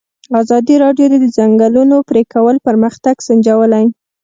ازادي راډیو د د ځنګلونو پرېکول پرمختګ سنجولی.